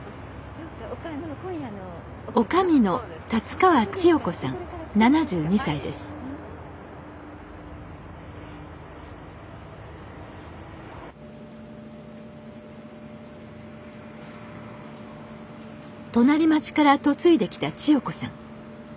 女将の隣町から嫁いできた千代子さん。